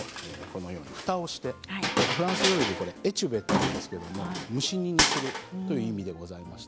このようにふたをしてフランス料理でこれはエチュベというんですが蒸し煮にするという意味です。